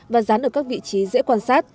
và dán ở các vị trí dễ quan sát